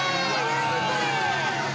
何これ。